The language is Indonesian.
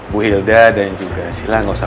bu hilda dan juga sila gak usah